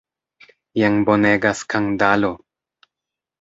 Jen bonega skandalo!